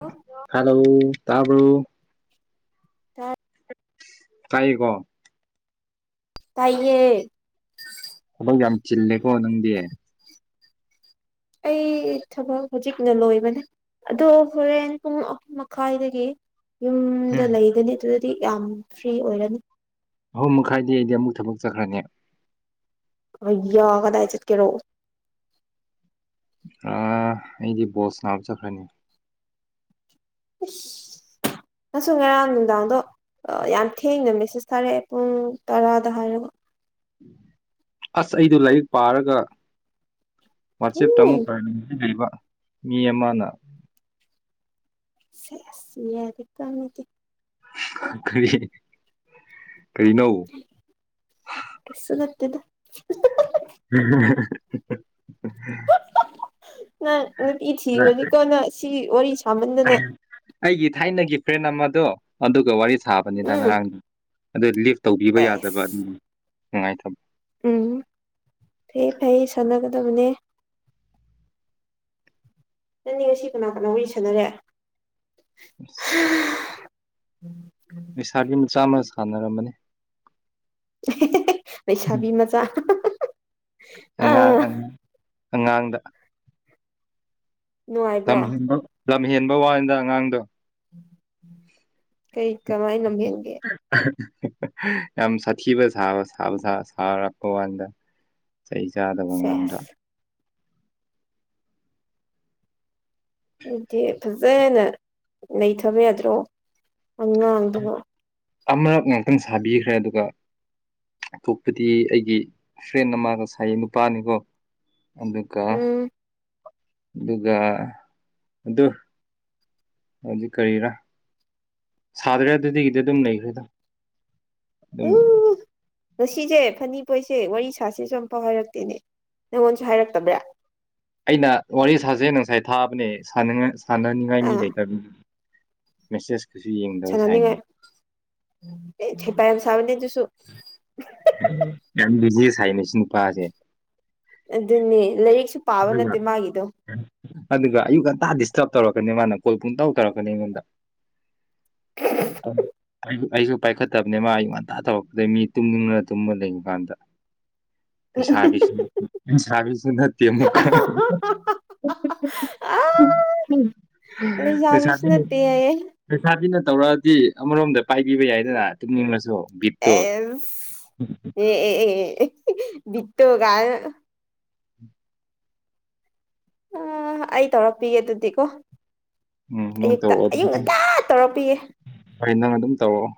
ꯑꯣ ꯍꯂꯣ ꯇꯥꯕ꯭ꯔꯣ ꯇꯥ ꯇꯥꯏꯒꯣ ꯇꯥꯏꯌꯦ ꯊꯕꯛ ꯌꯥꯝ ꯆꯤꯜꯂꯦꯀꯣ ꯅꯪꯗꯤ ꯑꯩ ꯊꯕꯛ ꯍꯧꯖꯤꯛꯅ ꯂꯣꯏꯕꯅꯦ ꯑꯗꯣ ꯍꯣꯔꯦꯟ ꯄꯨꯡ ꯑꯍꯨꯝ ꯃꯈꯥꯏꯗꯒꯤ ꯌꯨꯝꯗ ꯎꯝ ꯂꯩꯒꯅꯤ ꯑꯗꯨꯗꯤ ꯌꯥꯝ ꯐ꯭ꯔꯤ ꯑꯣꯏꯔꯅꯤ ꯑꯍꯨꯝ ꯃꯈꯥꯏꯗꯤ ꯑꯩꯗꯤ ꯑꯃꯨꯛ ꯊꯕꯛ ꯆꯠꯈ꯭ꯔꯅꯤ ꯑꯩꯌꯥ ꯀꯗꯥꯏ ꯆꯠꯀꯦꯔꯣ ꯑ ꯑꯩꯗꯤ ꯕꯣꯜ ꯁꯟꯅꯥꯕ ꯆꯠꯈ꯭ꯔꯅꯤ ꯑꯖ ꯉꯁꯨ ꯉꯔꯥꯡ ꯅꯨꯡꯗꯥꯡꯗꯣ ꯌꯥꯝ ꯊꯦꯡꯅ ꯃꯦꯁꯦꯁ ꯊꯥꯔꯛꯑꯦ ꯄꯨꯡ ꯇꯔꯥꯗ ꯍꯥꯏꯔꯒ ꯑꯁ ꯑꯩꯗꯨ ꯂꯥꯏꯔꯤꯛ ꯄꯥꯔꯒ ꯋꯥꯆꯦꯞꯇ ꯎꯝ ꯑꯃꯨꯛ [unintelligible] ꯂꯩꯕ ꯃꯤ ꯑꯃꯅ ꯁꯦꯁ ꯌꯥꯗꯦꯀꯣ ꯃꯤꯗꯤ ꯀꯔꯤ ꯀꯔꯤꯅꯧ ꯇꯗ [inaudible] ꯅꯪ ꯅꯨꯄꯤ ꯊꯤꯈ꯭ꯔꯅꯤꯀꯣ ꯅꯪ ꯁꯤꯒꯤ ꯋꯥꯔꯤ ꯇꯃꯟꯗꯅ ꯑꯩꯒꯤ ꯊꯥꯏꯅꯒꯤ ꯐ꯭ꯔꯦꯟ ꯑꯃꯗꯣ ꯑꯗꯨꯒ ꯋꯥꯔꯤ ꯊꯥꯕꯅꯤꯗ ꯎꯝ ꯉꯔꯥꯡꯗꯣ ꯑꯗꯨ ꯂꯤꯐ ꯇꯧꯕꯤꯕ ꯌꯥꯗꯕ ꯑꯗꯨꯝ ꯑꯦꯁ ꯅꯨꯡꯉꯥꯏꯇꯕ ꯎꯝ ꯐꯦ ꯐꯩꯌꯦ ꯁꯥꯟꯅꯒꯗꯕꯅꯦ ꯅꯪꯗꯤ ꯉꯁꯤ ꯀꯅꯥ ꯀꯅꯥ ꯋꯥꯔꯤ ꯁꯥꯟꯅꯔꯦ ꯑꯁ ꯎꯝ ꯂꯩꯁꯥꯕꯤ ꯃꯆꯥ ꯑꯃ ꯁꯟꯅꯔꯝꯕꯅꯦ ꯂꯩꯩꯁꯥꯕꯤ ꯃꯆꯥ ꯑ ꯑꯉꯥꯡ ꯑꯉꯥꯡ ꯑꯉꯥꯡꯗ ꯅꯨꯡꯉꯥꯏꯕ꯭ꯔꯣ ꯂꯝ ꯍꯦꯟꯕ ꯋꯥꯅꯤꯗ ꯑꯉꯥꯡꯗꯣ ꯀꯩ ꯀꯃꯥꯏ ꯂꯝꯍꯦꯟ [inaudible] ꯍꯥ ꯍꯥ ꯌꯥꯝ ꯁꯥꯊꯤꯕ ꯁꯥꯕ ꯁꯥꯕ ꯁꯥ ꯁꯥꯔꯛꯄ ꯋꯥꯅꯤꯗ ꯆꯩ ꯆꯥꯗꯕ ꯃꯥꯡꯗ ꯁꯦꯁ ꯑꯗꯨꯗꯤ ꯐꯖꯅ ꯅꯩꯊꯕ ꯌꯥꯗ꯭ꯔꯣ ꯑꯉꯥꯡꯗꯨꯕꯣ ꯑꯃꯔꯛ ꯉꯥꯛꯇꯪ ꯁꯥꯕꯤꯈ꯭ꯔꯦ ꯑꯗꯨꯒ ꯑꯇꯣꯞꯄꯗꯤ ꯑꯩꯒꯤ ꯐ꯭ꯔꯦꯟ ꯑꯃꯒ ꯁꯥꯏꯌꯦ ꯅꯨꯄꯥꯅꯤꯀꯣ ꯑꯗꯨꯒ ꯎꯝ ꯑꯗꯨꯒ ꯑꯗꯨ ꯍꯧꯖꯤꯛ ꯀꯔꯤꯔꯥ ꯁꯥꯗ꯭ꯔꯦꯗ ꯑꯗꯨꯗꯒꯤꯗꯤ ꯑꯗꯨꯝ ꯂꯩꯈ꯭ꯔꯦꯗ ꯎ ꯑꯗꯨꯝ ꯉꯁꯤꯁꯦ ꯐꯅꯤ ꯄꯣꯏꯁꯦ ꯋꯥꯔꯤ ꯁꯥꯁꯤꯁꯨ ꯑꯃꯝꯐꯥꯎ ꯍꯥꯏꯔꯛꯇꯦꯅꯦ ꯅꯪꯉꯣꯟꯁꯨ ꯍꯥꯏꯔꯛꯇꯕ꯭ꯔꯥ ꯑꯩꯅ ꯋꯥꯔꯤ ꯁꯥꯖꯦꯅ ꯉꯁꯥꯏ ꯊꯥꯕꯅꯦ ꯁꯥꯅꯉꯥꯏ ꯁꯥꯟꯅꯅꯤꯡꯉꯥꯏ ꯃꯤ ꯑꯥ ꯂꯩꯇꯕ ꯃ ꯃꯦꯁꯦꯁ ꯁꯥꯟꯅꯅꯤꯡꯉꯥꯏ ꯑꯦ ꯍꯦꯄꯥ ꯌꯥꯝ ꯁꯥꯕꯅꯦ ꯑꯗꯨꯁꯨ ꯌꯥꯝ ꯕꯤꯖꯤ ꯁꯥꯏꯅꯦ ꯁꯤ ꯅꯨꯄꯥꯁꯦ ꯑꯗꯨꯅꯦ ꯂꯥꯏꯔꯤꯛꯁꯨ ꯄꯥꯕ ꯅꯠꯇꯦ ꯃꯥꯒꯤꯗꯣ ꯑꯗꯨꯒ ꯑꯌꯨꯛ ꯉꯟꯇꯥ ꯗꯤꯁꯇꯔꯕ ꯇꯧꯔꯛꯀꯅꯤ ꯃꯥꯅ ꯀꯣꯜ ꯄꯨꯡ ꯇꯧ ꯇꯧꯔꯛꯀꯅꯤ ꯑꯩꯉꯣꯟꯗ ꯑ ꯑꯩ ꯑꯩꯁꯨ ꯄꯥꯏꯈꯠꯇꯕꯅꯦ ꯃꯥ ꯑꯌꯨ ꯉꯟꯇꯥ ꯇꯧꯔꯛꯄꯗꯩ ꯃꯤ ꯇꯨꯝꯅꯤꯡꯉ ꯇꯨꯝꯃ ꯂꯩꯕ ꯀꯥꯟꯗ ꯄꯩꯁꯥꯒꯤꯁꯨ ꯎꯝ ꯅꯨꯡꯁꯥꯒꯤꯁꯨ ꯅꯠ ꯑꯍꯥ ꯍꯥ ꯍꯥ ꯍꯥ ꯍꯥ ꯍꯥ ꯍꯥ ꯑꯥ ꯎꯝ ꯎꯝ ꯂꯩꯁꯥꯕꯤꯅ ꯅꯠꯇꯦ ꯍꯥꯏꯌꯦ ꯂꯩꯁꯥꯕꯤꯅ ꯇꯧꯔꯛꯑꯗꯤ ꯑꯃꯔꯣꯝꯗ ꯄꯥꯏꯕꯤꯕ ꯌꯥꯏꯗꯅ ꯇꯨꯝꯅꯤꯡꯉꯁꯨ ꯕꯤꯠꯇꯣ ꯍꯨꯝ ꯍꯨꯝ ꯍꯨꯝ ꯑꯦꯁ ꯑꯦ ꯑꯦ ꯑꯦ ꯕꯤꯠꯇꯣ ꯒꯥꯏꯔꯥ ꯑ ꯑ ꯑꯩ ꯇꯧꯔꯛꯄꯤꯒꯦ ꯑꯗꯨꯗꯤꯀꯣ ꯎꯝ ꯅꯪ ꯑꯌꯨꯛꯇ ꯇꯧꯔꯛꯑꯣ ꯑꯌꯨꯛ ꯉꯟꯇꯥ ꯇꯧꯔꯛꯄꯤꯌꯦ ꯍꯣꯏ ꯅꯪ ꯑꯗꯨꯝ ꯇꯧꯔꯛꯑꯣ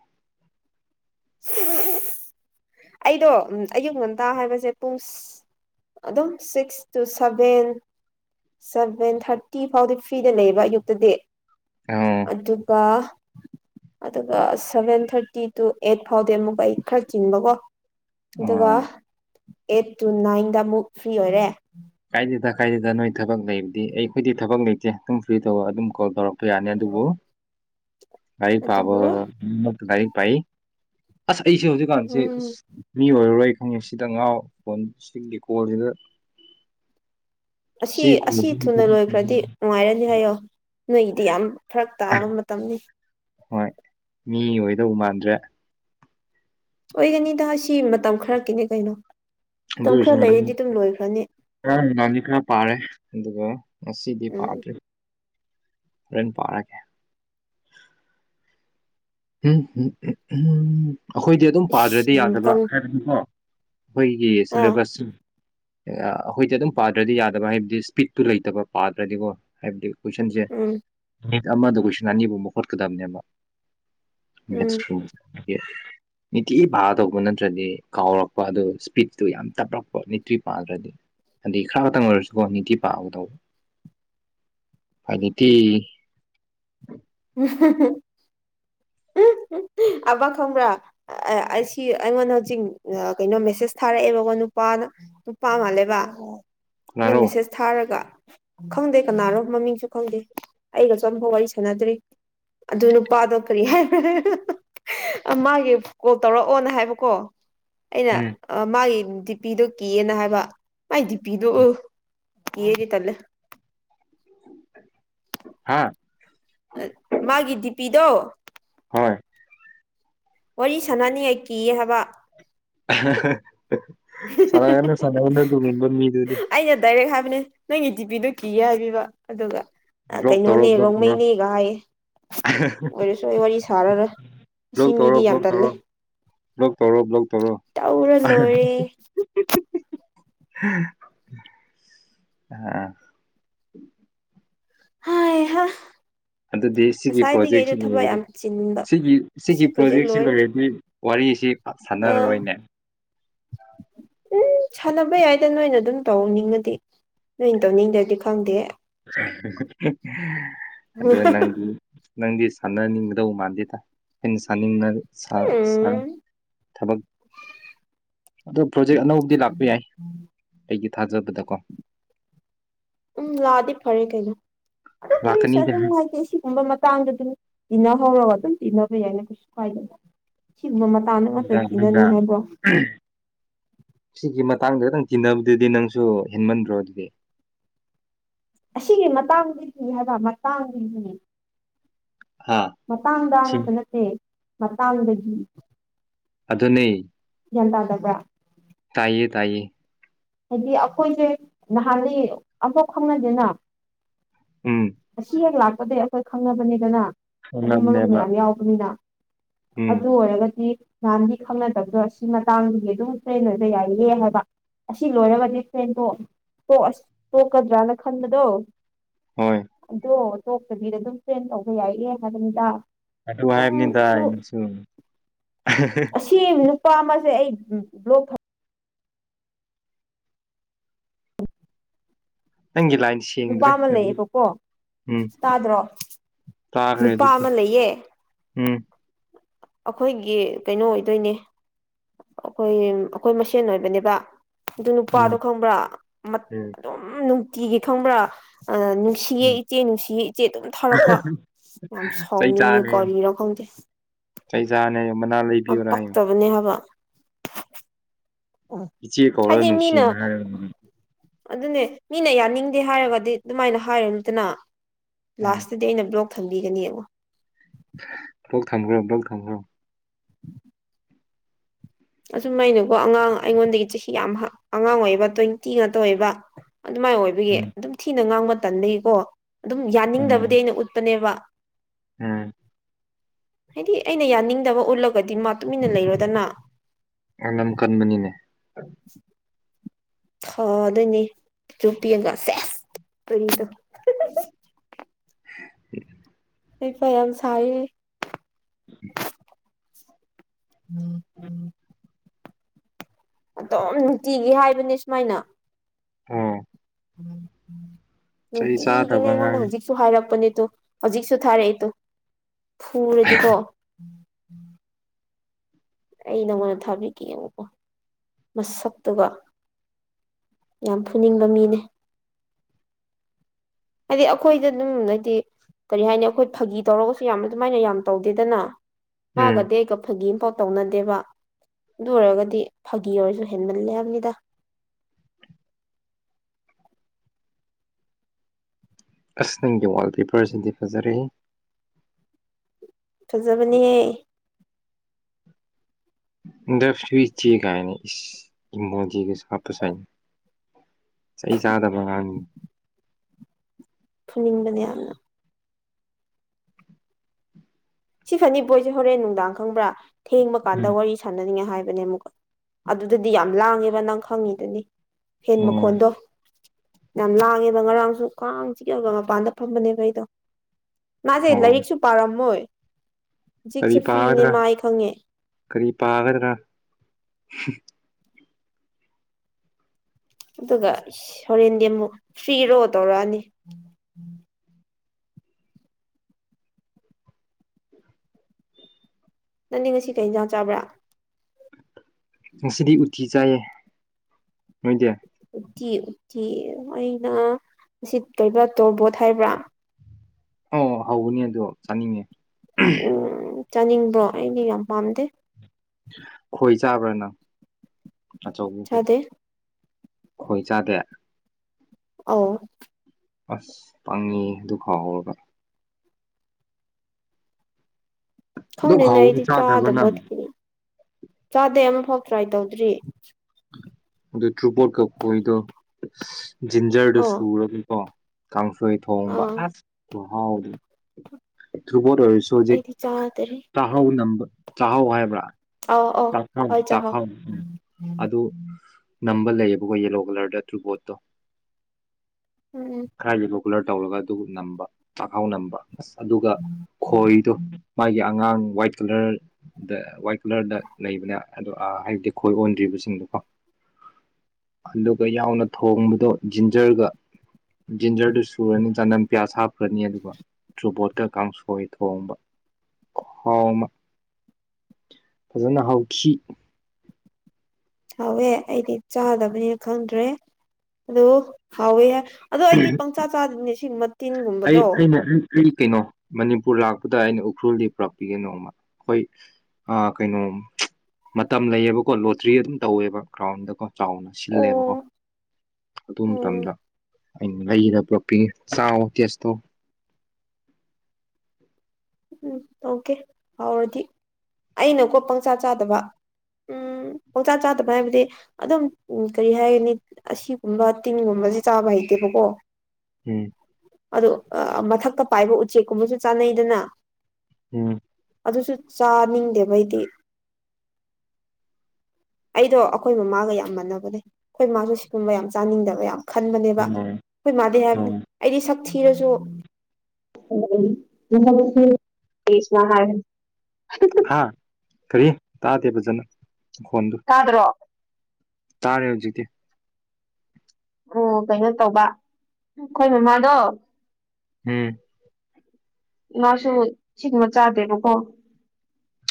ꯁ ꯑꯩꯗꯣ ꯎꯝ ꯑꯌꯨꯛ ꯉꯟꯇꯥ ꯍꯥꯏꯕꯁꯦ ꯄꯨꯡ ꯁ ꯑꯗꯨꯝ six two seven seven thirty ꯐꯥꯎꯗꯤ ꯐ꯭ꯔꯤꯗ ꯂꯩꯌꯦꯕ ꯑꯌꯨꯛꯇꯗꯤ ꯑ ꯑꯗꯨꯒ ꯑꯗꯨꯒ ꯁꯚꯦꯟ ꯊꯥꯔꯇꯤ ꯇꯨ ꯑꯩꯠ ꯐꯥꯎꯗꯤ ꯑꯃꯨꯛꯀ ꯑꯩ ꯈꯔ ꯆꯤꯟꯕꯀꯣ ꯑ ꯑꯗꯨꯒ ꯑꯦꯠ ꯇꯨ ꯅꯥꯏꯟꯗ ꯑꯃꯨꯛ ꯐ꯭ꯔꯤ ꯑꯣꯏꯔꯦ ꯗꯦꯗ ꯀꯥꯏꯗꯦꯗ ꯅꯣꯏ ꯊꯕꯛ ꯂꯩꯕꯗꯤ ꯑꯩ ꯈꯣꯏꯗꯤ ꯊꯕꯛ ꯂꯩꯇꯦ꯫ ꯑꯗꯨꯝ ꯐ꯭ꯔꯤ ꯇꯧꯔ ꯑꯗꯨꯝ ꯀꯣꯜ ꯇꯧꯔꯛ ꯄ ꯌꯥꯅꯦ ꯑꯗꯨꯕꯨ ꯂꯥꯏꯔꯤꯛ ꯄꯥꯕ ꯑꯗꯨꯕꯨ ꯎꯝ ꯂꯥꯏꯔꯤꯛ ꯄꯥꯏꯑ ꯄꯁꯥ ꯑꯩꯁꯦ ꯍꯧꯖꯤꯛꯀꯥꯟꯁꯦ ꯎꯝ ꯑꯁ ꯃꯤ ꯑꯣꯏꯔꯔꯣꯏ ꯍꯪꯉꯤꯁꯤꯗ ꯉꯥꯎ ꯐꯣꯟ ꯁꯤꯒꯤ ꯀꯣꯜꯖꯤꯗ ꯑꯁꯤ ꯑꯁꯤ ꯊꯨꯅ ꯂꯣꯏꯈ꯭ꯔꯗꯤ ꯅꯨꯡꯉꯥꯏꯔꯅꯤ ꯍꯥꯏꯌꯣ ꯅꯣꯏꯒꯤꯗꯤ ꯌꯥꯝ ꯐꯔꯛ ꯇꯥꯕ ꯃꯇꯝꯅꯤ ꯍꯣꯏ ꯃꯤ ꯑꯣꯏꯗꯧ ꯃꯥꯟꯗ꯭ꯔꯦ ꯑꯣꯏꯒꯅꯤꯗ ꯁꯤ ꯃꯇꯝ ꯈꯔꯀꯤꯅꯦ ꯀꯩꯅꯣ ꯑꯗꯨ ꯃꯇꯝ ꯑꯣꯌꯁꯨ ꯈꯔ ꯉꯜꯃꯜ ꯂꯩꯔꯗꯤ ꯑꯗꯨꯝ ꯂꯣꯏꯈ꯭ꯔꯅꯤ ꯉꯔꯥꯡ ꯗꯥꯡꯗꯤ ꯈꯔ ꯄꯥꯔꯦ ꯑꯗꯨꯒ ꯉꯁꯤꯗꯤ ꯎꯝ ꯄꯥꯗ꯭ꯔꯤ ꯍꯣꯔꯦꯟ ꯄꯥꯔꯒꯦ ꯎꯝ ꯎꯛ ꯎꯝ ꯎꯝ ꯑꯩꯈꯣꯏꯗꯤ ꯑꯗꯨꯝ ꯏꯁ ꯄꯥꯗ꯭ꯔꯗꯤ ꯎꯝ ꯌꯥꯗꯕ ꯀꯪ ꯍꯥꯏꯕꯅꯤꯀꯣ ꯑꯈꯣꯏꯒꯤ ꯑꯥ ꯁꯤꯂꯦꯕꯁ ꯁꯨ ꯑꯥ ꯑꯩꯈꯣꯏꯗꯤ ꯑꯗꯨꯝ ꯄꯥꯗ꯭ꯔꯗꯤ ꯌꯥꯗꯕ ꯍꯥꯏꯕꯗꯤ ꯏꯁꯄꯤꯠꯇꯨ ꯂꯩꯇꯕ ꯄꯥꯗ꯭ꯔꯗꯤꯀꯣ ꯍꯥꯏꯕꯗꯤ ꯀꯣꯏꯁꯟꯖꯦ ꯎꯝ ꯅꯨꯃꯤꯠ ꯑꯃꯗ ꯀꯣꯏꯁꯟ ꯑꯅꯤꯒꯨꯝꯕ ꯍꯣꯠꯀꯗꯕꯅꯦꯕ ꯃꯁ ꯎꯝ [unintelligible] ꯅꯤꯇꯤ ꯄꯥꯗꯧꯕ ꯅꯠꯇ꯭ꯔꯗꯤ ꯀꯥꯎꯔꯛꯄ ꯑꯗꯨ ꯏꯁꯄꯤꯠꯇꯨ ꯌꯥꯝ ꯇꯞꯂꯛꯄ ꯅꯤꯇꯤ ꯄꯥꯗ꯭ꯔꯗꯤ ꯍꯥꯏꯗꯤ ꯈꯔꯇꯪ ꯑꯣꯏꯔꯁꯨꯀꯣ ꯅꯤꯇꯤ ꯄꯥꯒꯇꯧꯕ ꯎꯄꯥꯏ ꯂꯩꯇꯦ [inaudible] ꯑꯕ ꯈꯪꯕ꯭ꯔꯥ ꯑꯩ ꯁꯤ ꯑꯩꯉꯣꯟꯗ ꯍꯧꯖꯤꯛ ꯀꯩꯅꯣ ꯃꯦꯁꯦꯁ ꯊꯥꯔꯛꯑꯦꯕ ꯅꯨꯄꯥꯅ ꯅꯨꯄꯥ ꯃꯥꯜꯂꯦꯕ ꯑꯩꯅ ꯀꯅꯥꯔꯣ ꯃꯦꯁꯦꯁ ꯊꯥꯔꯒ ꯈꯪꯗꯦ ꯀꯅꯥꯅꯣ ꯃꯃꯤꯡꯁꯨ ꯈꯪꯗꯦ ꯑꯩꯒꯁꯨ ꯑꯝꯐꯥꯎ ꯋꯥꯔꯤ ꯁꯥꯟꯅꯗ꯭ꯔꯤ ꯑꯗꯨ ꯅꯨꯄꯥꯗꯣ ꯀꯔꯤ ꯍꯥꯏ ꯃꯥꯒꯤ ꯀꯣꯜ ꯇꯧꯔꯛꯑꯣꯅ ꯍꯥꯏꯕꯀꯣ ꯑꯩꯅ ꯎꯝ ꯃꯥꯒꯤ ꯗꯤꯄꯤꯗꯣ ꯀꯤꯌꯦꯅ ꯍꯥꯏꯕ ꯃꯥꯒꯤ ꯗꯤꯄꯤꯗꯨ ꯎ ꯏꯗꯤ ꯇꯜꯂꯦ ꯍꯥꯥ ꯃꯥꯒꯤ ꯗꯤꯄꯤꯗꯣ ꯍꯣꯏ ꯋꯥꯔꯤ ꯁꯥꯟꯅꯅꯤ ꯑꯩ ꯀꯤ ꯍꯥꯏꯕ ꯁꯥꯟꯒꯅꯨ ꯁꯥꯟꯒꯅꯨ ꯑꯗꯨꯒꯨꯝꯕ ꯃꯤ ꯑꯗꯨꯗꯤ ꯑꯩꯅ ꯗꯥꯏꯔꯦꯛ ꯍꯥꯏꯕꯅꯦ ꯅꯪꯒꯤ ꯇꯤꯄꯤꯗꯣ ꯀꯤꯒꯦ ꯍꯥꯏꯕꯤꯕ ꯑꯗꯨꯒ ꯕ꯭ꯂꯣꯛ ꯇꯧꯔꯣ ꯀꯩꯅꯣꯅꯦ ꯕ꯭ꯂꯣꯛ ꯇꯧꯔꯣ ꯔꯣꯡꯃꯩꯅꯦꯒ ꯍꯥꯏꯌꯦ ꯑꯣꯏꯔꯁꯨ ꯑꯩ ꯋꯥꯔꯤ ꯁꯥꯔꯔꯣꯏ ꯁꯤ ꯕ꯭ꯂꯣꯛ ꯇꯧꯔꯣ ꯃꯤꯗꯤ ꯌꯥꯝ ꯕ꯭ꯂꯣꯛ ꯇꯜꯂꯦ ꯇꯧꯔꯣ ꯕ꯭ꯂꯣꯛ ꯇꯧꯔꯣ ꯕ꯭ꯂꯣꯛ ꯇꯧꯔꯣ ꯇꯧꯔ ꯂꯣꯏꯔꯦ [unintelligible] ꯑꯥ ꯍꯩ ꯍꯥ ꯑꯗꯨꯗꯤ ꯁꯤꯒꯤ ꯉꯁꯥꯏꯗꯒꯤ ꯄ꯭ꯔꯣꯖꯦꯛꯁꯤ ꯑꯩꯗꯣ ꯊꯕꯛ ꯌꯥꯝ ꯆꯤꯟꯕ ꯁꯤꯒꯤ ꯁꯤꯒꯤ ꯑꯁꯤ ꯄ꯭ꯔꯣꯖꯦꯛ ꯄ꯭ꯔꯣꯖꯦꯛꯁꯤ ꯂꯣꯏꯔꯦ ꯂꯩꯔꯗꯤ ꯋꯥꯔꯤꯁꯤ ꯄꯥꯛ ꯑꯥ ꯁꯥꯟꯅꯔꯔꯣꯏꯅꯦ [inaudible] ꯎꯝ ꯁꯥꯟꯅꯕ ꯌꯥꯏꯗ ꯅꯣꯏꯅ ꯑꯗꯨꯝ ꯇꯧꯍꯅꯤꯡꯉꯗꯤ ꯅꯣꯏꯅ ꯇꯧꯅꯤꯡꯗ꯭ꯔꯗꯤ ꯈꯪꯗꯦ ꯑ ꯅꯪꯗꯤ ꯅꯪꯗꯤ ꯁꯥꯟꯅꯅꯤꯡꯒꯗꯧ ꯃꯥꯟꯗꯦꯗ ꯑꯩꯅ ꯁꯅꯤꯡ ꯁꯥ ꯁꯥ ꯎꯝ ꯊꯕꯛ ꯑꯗꯣ ꯄ꯭ꯔꯣꯖꯦꯛ ꯑꯅꯧꯕꯗꯤ ꯂꯥꯛꯄ ꯌꯥꯏ ꯑꯩꯒꯤ ꯊꯥꯖꯕꯗꯀꯣ ꯎꯝ ꯂꯥꯑꯗꯤ ꯐꯔꯦ ꯀꯩꯅꯣ ꯑꯗꯨꯝ ꯋꯥꯔꯤꯁꯨ ꯂꯥꯛꯀꯅꯤꯗ ꯑꯗꯨꯝ ꯍꯥꯏꯗꯤ ꯁꯤꯒꯨꯝꯕ ꯃꯇꯥꯡꯗ ꯑꯗꯨꯝ ꯊꯤꯟꯅꯍꯧꯔꯣ ꯑꯗꯨꯝ ꯇꯤꯟꯅꯕ ꯌꯥꯏꯅ ꯀꯩꯁꯨ ꯈꯥꯏꯗꯦ ꯁꯤꯒꯨꯝꯕ ꯃꯇꯥꯡꯗ ꯉꯥꯛꯇ ꯍꯟꯗꯛ ꯇꯤꯟꯅꯅꯤ ꯍꯟꯗꯛ ꯍꯥꯏꯕ꯭ꯔꯣ ꯁꯤꯒꯤ ꯃꯇꯥꯡꯗꯇꯪ ꯇꯤꯟꯅꯕꯗꯨꯗꯤ ꯅꯪꯁꯨ ꯍꯦꯟꯃꯟꯗ꯭ꯔꯣ ꯑꯗꯨꯗꯤ ꯑꯁꯤꯒꯤ ꯃꯇꯥꯡꯗ ꯍꯥꯏꯕ ꯃꯇꯥꯡꯗꯤ ꯃꯇꯥꯡ ꯍꯥ ꯃꯇꯥꯡꯗꯥꯅ ꯁꯤ ꯅꯠꯇꯦ ꯅꯠꯇꯦ ꯃꯥꯇꯥꯡꯗꯗꯒꯤ ꯑꯗꯨꯅꯤ ꯒ꯭ꯌꯥꯟ ꯇꯥꯗꯕ꯭ꯔꯥ ꯇꯥꯏꯌꯦ ꯇꯥꯏꯏꯌꯦ ꯍꯥꯏꯗꯤ ꯑꯩꯈꯣꯏꯁꯦ ꯅꯍꯥꯟꯅꯤ ꯑꯝꯐꯛ ꯈꯪꯅꯗꯦꯅ ꯎꯝ ꯑꯁꯤ ꯍꯦꯛ ꯂꯥꯛꯄꯗꯒꯤ ꯑꯩꯈꯣꯏ ꯈꯪꯅꯕꯅꯤꯗꯅ ꯍꯥꯏꯗꯤ ꯃꯔꯨꯝ ꯍꯣꯠꯅꯕꯅꯦꯕ ꯃꯌꯥꯝ ꯌꯥꯎꯕꯅꯤꯅ ꯎꯝ ꯑꯗꯨ ꯑꯣꯏꯔꯒꯗꯤ ꯅꯍꯥꯟꯗꯤ ꯈꯪꯅꯗꯕꯗꯣ ꯁꯤ ꯃꯇꯥꯡꯗꯨꯗꯤ ꯑꯗꯨꯝ ꯐꯔꯦꯟ ꯑꯣꯅꯕ ꯌꯥꯏꯌꯦ ꯍꯥꯏꯕ ꯑꯁꯤ ꯂꯣꯏꯔꯕꯗꯤ ꯐ꯭ꯔꯦꯟ ꯇꯣꯛꯀꯗ꯭ꯔꯅ ꯈꯟꯕꯗꯣ ꯍꯣꯏ ꯑꯗꯣ ꯇꯣꯛꯇꯕꯤꯗ ꯑꯗꯨꯝ ꯄ꯭ꯔꯦꯟ ꯇꯧꯕ ꯌꯥꯏꯌꯦ ꯍꯥꯏꯕꯝꯗ ꯑꯗꯨ ꯁꯨꯝ ꯍꯥꯏꯕꯅꯤꯗ ꯁꯨ ꯑꯩꯅꯁꯨ ꯑꯁꯤ ꯅꯨꯄꯥ ꯑꯃꯁꯦ ꯑꯩ ꯕ꯭ꯂꯣꯛ ꯇꯝ ꯅꯪꯒꯤ ꯂꯥꯏꯟ ꯅꯨꯄꯥ ꯁꯦꯡꯗ꯭ꯔꯦ ꯑꯃ ꯑꯗꯨ ꯂꯩꯌꯦꯕꯀꯣ ꯎꯝ ꯇꯥꯗ꯭ꯔꯣ ꯇꯥꯈ꯭ꯔꯦ ꯅꯨꯄꯥ ꯑꯗꯨꯗꯤ ꯑꯃ ꯂꯩꯌꯦ ꯎꯝ ꯑꯩꯈꯣꯏꯒꯤ ꯀꯩꯅꯣ ꯑꯣꯏꯗꯣꯏꯅꯦ ꯑꯩꯈꯣꯏ ꯑꯩꯈꯣꯏ ꯃꯁꯦꯟ ꯑꯣꯏꯕꯅꯦꯕ ꯑꯗꯨ ꯎꯝ ꯅꯨꯄꯥꯗꯨꯣ ꯈꯪꯕ꯭ꯔꯥ ꯎꯝ ꯑꯗꯨꯝ ꯅꯨꯡꯇꯤꯒꯤ ꯈꯪꯕ꯭ꯔꯥ ꯅꯨꯡꯁꯤꯌꯦ ꯎꯝ ꯏꯆꯦ ꯅꯨꯡꯁꯤꯌꯦ ꯏꯆꯦ ꯑꯗꯨꯝ ꯊꯧꯔꯛꯄ ꯌꯥꯝ ꯆꯩ ꯁꯥꯎꯅꯤꯡꯉꯤ ꯆꯥꯔꯅꯤ ꯍꯥꯏꯌꯣ ꯀꯣꯔꯤꯅꯣ ꯈꯪꯗꯦ ꯆꯩ ꯆꯥꯅꯦ ꯃꯅꯥ ꯌꯥꯝ ꯂꯩꯕꯤꯌꯣꯔ ꯍꯥꯏꯌꯣ ꯄꯛꯇꯕꯅꯦ ꯍꯥꯏꯕ ꯏꯆꯦ ꯀꯧꯔ ꯍꯥꯏꯗꯤ ꯃꯤꯅ ꯅꯨꯡꯁꯤꯅ ꯍꯥꯏꯔ ꯑꯗꯨꯅꯦ ꯃꯤꯅ ꯌꯥꯅꯤꯡꯗꯦ ꯍꯥꯏꯔꯒꯗꯤ ꯑꯗꯨꯃꯥꯏꯅ ꯍꯥꯏꯔꯅꯤꯗꯅ ꯂꯥꯁꯇꯗꯤ ꯑꯩꯅ ꯕ꯭ꯂꯣꯛ ꯊꯝꯕꯤꯒꯅꯤꯕꯣ ꯕꯛ ꯊꯝꯈ꯭ꯔꯣ ꯕꯛ ꯊꯝꯈ꯭ꯔꯣ ꯑꯁꯨꯝ ꯍꯥꯏꯩꯅꯀꯣ ꯑꯉꯥꯡ ꯑꯩꯉꯣꯟꯗꯒꯤ ꯆꯍꯤ ꯌꯥꯝ ꯑꯉꯥꯡ ꯑꯣꯏꯕ ꯇ꯭ꯋꯦꯟꯇꯤ ꯉꯥꯛꯇ ꯑꯣꯏꯕ ꯑꯗꯨꯃꯥꯏꯅ ꯑꯣꯏꯕꯒꯤ ꯎꯝ ꯑꯗꯨꯝ ꯊꯤꯅ ꯉꯥꯡꯕ ꯃꯇꯝꯟꯗꯒꯤꯀꯣ ꯑꯗꯨꯝ ꯎꯝ ꯌꯥꯅꯤꯡꯗꯕꯗꯤ ꯑꯩꯅ ꯎꯠꯄꯅꯦꯕ ꯎꯝ ꯍꯥꯏꯗꯤ ꯑꯩꯅ ꯌꯥꯅꯤꯡꯗꯕ ꯎꯠꯂꯒꯗꯤ ꯃꯥ ꯇꯨꯃꯤꯟꯅ ꯂꯩꯔꯣꯗꯅ ꯑꯅꯝ ꯀꯟꯃꯅꯤꯅꯦ ꯎ ꯊꯥꯎꯗꯅꯤ ꯆꯨꯞꯄꯤꯒꯥꯁꯦ ꯀꯗ ꯎꯝ ꯑꯩ ꯐ ꯌꯥꯝ ꯁꯥꯏꯌꯦ ꯎ ꯎꯝ ꯎꯝ ꯑꯗꯣꯝ ꯅꯨꯡꯇꯤꯒꯤ ꯍꯥꯏꯕꯅꯦ ꯁꯨꯃꯥꯏꯅ ꯑ ꯎ ꯅꯨꯡꯇꯤꯒꯤꯅꯦ ꯆꯥꯗꯕ ꯑꯩꯉꯣꯟꯗ ꯑꯉꯥꯡꯅꯤ ꯍꯧꯖꯤꯛꯁꯨ ꯍꯥꯏꯔꯛꯄ ꯊꯣꯛꯄꯅꯦꯇꯣ ꯍꯧꯖꯤꯛꯁꯨ ꯊꯥꯔꯛꯦꯗꯣ ꯐꯨꯔꯗꯤꯀꯣ ꯑꯩ ꯅꯪꯉꯣꯟꯗ ꯊꯥꯕꯤꯈꯤꯦꯕꯀꯣ ꯃꯁꯛꯇꯨꯒ ꯌꯥꯝ ꯐꯨꯅꯤꯡꯕ ꯃꯤꯅꯦ ꯍꯥꯏꯗꯤ ꯑꯩꯈꯣꯏꯗ ꯑꯗꯨꯝ ꯍꯥꯏꯗꯤ ꯀꯔꯤ ꯍꯥꯏꯅꯤ ꯑꯩꯈꯣꯏ ꯐꯥꯒꯤ ꯇꯧꯔꯒꯁꯨ ꯌꯥꯝ ꯑꯗꯨꯃꯥꯏꯅ ꯌꯥꯝ ꯇꯧꯗꯦꯗꯅ ꯎꯝ ꯃꯥꯒꯗꯤ ꯑꯩꯒ ꯐꯥꯒꯤ ꯑꯃ ꯐꯥꯎ ꯇꯧꯅꯗꯦꯕ ꯑꯗꯨ ꯑꯣꯏꯔꯒꯗꯤ ꯐꯥꯒꯤ ꯑꯣꯏꯔꯁꯨ ꯍꯦꯟꯃꯜꯂꯦ ꯍꯥꯏꯕꯅꯤꯗ [unintelligible] ꯑꯁ ꯅꯪꯒꯤ ꯋꯥꯜꯄꯦꯄꯔꯁꯤꯗꯤ ꯐꯖꯔꯏ ꯐꯖꯕꯅꯦꯍꯦ ꯗꯕꯁꯕꯤ ꯆꯦꯛ ꯀꯥꯏꯅꯦ ꯏꯁ ꯃꯣꯖꯤ ꯀ ꯁꯥꯄꯁꯅꯤ ꯆꯍꯤ ꯆꯥꯗꯕꯉꯥꯟ ꯈꯨꯅꯤꯡꯕꯅꯦ ꯌꯥꯝꯅ ꯁꯤ ꯐꯅꯤꯕꯣꯏꯁꯦ ꯍꯣꯔꯦꯟ ꯅꯨꯡꯗꯥꯡ ꯈꯪꯕ꯭ꯔꯥ ꯊꯦꯡꯕ ꯀꯥꯟꯗ ꯎꯝ ꯋꯥꯔꯤ ꯁꯥꯟꯅꯅꯤꯡꯉꯦ ꯍꯥꯏꯕ ꯅꯦ ꯑꯃꯨꯛꯀ ꯑꯗꯨꯗꯗꯤ ꯌꯥꯝ ꯂꯥꯡꯉꯦꯕ ꯅꯪ ꯈꯪꯉꯤꯗꯨꯅꯤ ꯍꯦꯟ ꯃꯈꯣꯟꯗꯣ ꯎꯝ ꯌꯥꯝ ꯂꯥꯡꯉꯦꯕ ꯉꯔꯥꯡ ꯑꯃꯛ ꯀꯥꯡ ꯆꯤꯑꯒ ꯃꯄꯥꯟꯗ ꯐꯝꯕꯅꯦꯕ ꯑꯩꯗꯣ ꯃꯥꯁꯦ ꯑꯣ ꯂꯥꯏꯔꯤꯛꯁꯨ ꯄꯥꯔꯝꯃꯣꯏ ꯀꯔꯤ ꯍꯧꯖꯤꯛꯁꯦ ꯐ꯭ꯔꯤꯅꯦ ꯄꯥꯒꯗ꯭ꯔꯥ ꯃꯥ ꯑꯩ ꯈꯪꯉꯦ ꯀꯔꯤ ꯄꯥꯒꯗ꯭ꯔꯥ ꯑꯗꯨꯒ ꯁꯣꯔꯦꯟꯗꯤ ꯑꯃꯨꯛ ꯐ꯭ꯔꯤꯔꯣ ꯇꯧꯔꯛꯑꯅꯤ ꯅꯪꯗꯤ ꯉꯁꯤ ꯀꯟꯖꯥꯛ ꯆꯥꯕ꯭ꯔꯥ ꯉꯁꯤꯗꯤ ꯎꯇꯤ ꯆꯥꯏꯌꯦ ꯅꯣꯏꯗꯤ ꯎꯠꯇꯤ ꯎꯠꯇꯤ ꯑꯩꯅ ꯉ ꯀꯕ ꯇꯣꯔꯕꯣꯠ ꯍꯥꯏꯕ꯭ꯔꯥ ꯑꯣ ꯍꯧꯕꯅꯤ ꯑꯗꯣ ꯆꯥꯅꯤꯡꯉꯦ ꯎꯝ ꯆꯥꯅꯤꯡꯕ꯭ꯔꯣ ꯑꯩꯗꯤ ꯌꯥꯝ ꯄꯥꯝꯗꯦ ꯈꯣꯏ ꯆꯥꯕ꯭ꯔꯅ ꯑꯆꯧꯕ ꯆꯥꯗꯦ ꯈꯣꯏ ꯆꯥꯗꯦ ꯑ ꯑꯁ ꯄꯪꯉ ꯑꯗꯨ ꯈꯥꯎꯍꯧꯔꯒ ꯑꯗꯨꯛ ꯈꯪꯗꯦꯅ ꯍꯥꯎꯕꯗꯨ ꯑꯩꯗꯤ ꯆꯥꯗ꯭ꯔꯕ ꯅꯪ ꯆꯥꯗꯕꯣꯠ ꯀꯜꯂꯤ ꯆꯥꯗꯦ ꯑꯃꯨꯐꯥꯎ ꯇ꯭ꯔꯥꯏ ꯇꯧꯗ꯭ꯔꯤ ꯑꯗꯨ ꯇ꯭ꯔꯨꯕꯣꯠ ꯀꯈꯣꯏꯗꯣ ꯖꯤꯟꯖꯔꯗꯣ ꯑꯣ ꯁꯨꯔꯅꯤꯀꯣ ꯀꯥꯡ ꯣꯏ ꯊꯣꯡꯕ ꯑꯥ ꯑꯁꯥꯎ꯭ꯔꯨꯕ [unintelligible] ꯑꯣꯏꯔꯁꯨ ꯍꯧꯖꯤꯛ ꯑꯩꯗꯤ ꯆꯥꯗꯔꯤ ꯆꯥꯛꯍꯥꯎ ꯅꯝꯕ ꯆꯥꯛꯍꯥꯎ ꯍꯥꯏꯕ꯭ꯔꯥ ꯑꯧ ꯑꯧ ꯆꯈ ꯍꯣꯏ ꯆꯥꯍꯧ ꯆꯥꯛꯈ ꯎꯝ ꯑꯗꯨ ꯅꯝꯕ ꯂꯩꯌꯦꯕꯀꯣ ꯌꯦꯂꯣ ꯀꯂꯔꯗ ꯇ꯭ꯔꯨꯕꯣꯠꯇꯣ ꯎꯝ ꯈꯔ ꯌꯦ ꯀꯨꯂꯔ ꯇꯧꯔꯒ ꯑꯗꯨ ꯅꯝꯕ ꯄꯥꯛꯍꯥꯎ ꯅꯝꯕ ꯑꯁ ꯑꯗꯨꯒ ꯈꯣꯏꯗꯣ ꯃꯥꯒꯤ ꯑꯉꯥꯡ ꯋꯥꯏꯠ ꯀꯂꯔꯗ ꯋꯥꯏꯠ ꯀꯂꯔꯗ ꯂꯩꯕꯅꯦ ꯑꯗꯣ ꯍꯥꯏꯕꯗꯤ ꯈꯣꯏ ꯑꯣꯟꯗ꯭ꯔꯤꯕꯁꯤꯡꯗꯣꯀꯣ ꯑꯗꯨꯒ ꯌꯥꯎꯅ ꯊꯣꯡꯕꯗꯣ ꯖꯤꯟꯖꯔꯒ ꯖꯤꯟꯖꯔꯗꯨ ꯁꯨꯔꯅꯤ ꯆꯅꯝ ꯄꯤꯌꯥꯁ ꯍꯥꯞꯈ꯭ꯔꯅꯤ ꯑꯗꯨꯒ ꯆꯨꯕꯣꯠꯀ ꯀꯥꯡꯁꯣꯏ ꯊꯣꯡꯕ ꯈꯨ ꯍꯥꯎ ꯑꯃ [unintelligible] ꯐꯖꯅ ꯍꯥꯎꯈꯤ ꯍꯥꯎꯋꯦ ꯑꯩꯗꯤ ꯆꯥꯗꯕꯅꯤꯅ ꯈꯪꯗ꯭ꯔꯦ ꯑꯗꯨ ꯍꯥꯎꯋꯦ ꯑꯗꯣ ꯑꯩꯗꯤ ꯄꯪꯆꯥ ꯆꯥꯗꯅꯦ ꯁꯤꯁꯤꯡ ꯃꯇꯤꯟꯒꯨꯝꯕꯗꯣ ꯀꯔꯤ ꯀꯩꯅꯣ ꯃꯅꯤꯄꯨꯔ ꯂꯥꯛꯄꯗ ꯑꯩꯅ ꯎꯈ꯭ꯔꯨꯜꯗꯤ ꯄꯨꯔꯛꯄꯤꯒꯦ ꯅꯣꯡꯃꯍꯣꯏ ꯑ ꯀꯩꯅꯣ ꯃꯇꯝ ꯂꯩꯌꯦꯕꯀꯣ ꯂꯣꯇ꯭ꯔꯤ ꯑꯗꯨꯝ ꯇꯧꯋꯦꯕ ꯒ꯭ꯔꯥꯎꯟꯗꯀꯣ ꯆꯥꯎꯅ ꯑꯣ ꯁꯤꯜꯂꯦꯕꯀꯣ ꯑꯗꯨ ꯑꯣ ꯃꯇꯝꯗ ꯑꯩꯅ ꯂꯩꯔꯥ ꯄꯨꯔꯛꯞꯤꯒꯦ ꯆꯥꯑꯣ ꯇꯦꯁꯠ ꯇꯧꯑꯣ ꯎꯝ ꯇꯧꯒꯦ ꯍꯥꯎꯔꯗꯤ ꯑꯩꯅꯀꯣ ꯄꯪꯆꯥ ꯆꯥꯗꯕ ꯎꯝ ꯄꯪꯆꯥ ꯆꯥꯗꯕ ꯍꯥꯏꯕꯗꯤ ꯑꯗꯨꯝ ꯀꯔꯤ ꯍꯥꯏꯒꯅꯤ ꯑꯁꯤꯒꯨꯝꯕ ꯇꯤꯟꯒꯨꯝꯕ ꯆꯥꯕ ꯍꯩꯇꯦꯕꯥ ꯀꯣ ꯎꯝ ꯑꯗꯨ ꯃꯊꯛꯇ ꯄꯥꯏꯕ ꯎꯆꯦꯛꯀꯨꯝꯕꯁꯨ ꯆꯥꯅꯩꯗꯅ ꯎꯝ ꯑꯗꯨꯁꯨ ꯆꯥꯅꯤꯡꯗꯦꯕ ꯑꯩꯗꯤ ꯑꯩꯗꯣ ꯑꯩꯈꯣꯏ ꯃꯃꯥꯒ ꯌꯥꯝ ꯃꯥꯟꯅꯕꯅꯦ ꯑꯩꯈꯣꯏ ꯏꯃꯥꯁꯨ ꯁꯤꯒꯨꯝꯕ ꯌꯥꯝ ꯆꯥꯅꯤꯡꯗꯕ ꯌꯥꯝ ꯈꯟꯕꯅꯦꯕ ꯎꯝ ꯑꯩꯈꯣꯏ ꯃꯥꯗꯤ ꯍꯥꯏꯕꯅꯦ ꯎꯝ ꯑꯩꯗꯤ ꯁꯛ ꯊꯤꯔꯁꯨ ꯄꯖꯥ ꯍꯥꯥ ꯀꯔꯤ ꯇꯥꯗꯦ ꯐꯖꯅ ꯈꯣꯟꯗꯨ ꯇꯥꯗ꯭ꯔꯣ ꯇꯥꯔꯦ ꯍꯧꯖꯤꯛꯇꯤ ꯑꯣ ꯀꯩꯅꯣ ꯇꯧꯕ ꯑꯩꯈꯣꯏ ꯃꯃꯥꯗꯣ ꯎꯝ ꯃꯥꯁꯨ ꯁꯤꯒꯨꯝꯕ ꯆꯥꯗꯦꯕꯀꯣ